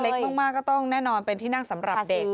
เล็กมากก็ต้องแน่นอนเป็นที่นั่งสำหรับเด็ก